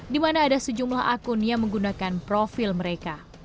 di mana ada sejumlah akun yang menggunakan profil mereka